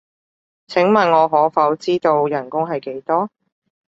請問我可否知道人工係幾多？